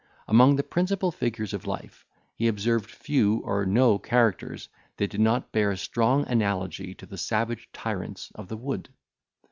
Among the principal figures of life, he observed few or no characters that did not bear a strong analogy to the savage tyrants of the wood.